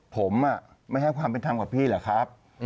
ผมไม่ให้ความเป็นธรรมกับพี่เหรอครับ